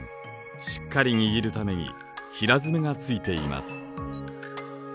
しっかり握るために平爪がついています。